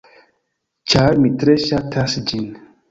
Ĉar mi tre ŝatas ĝin.